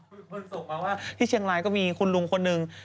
ผมส่งต่อว่าที่เชียงลายมีคุณลุงคนนึง